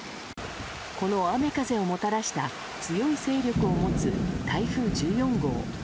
この雨風をもたらした強い勢力を持つ台風１４号。